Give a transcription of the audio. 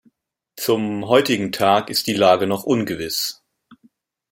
Zum heutigen Tag ist die Lage noch ungewiss.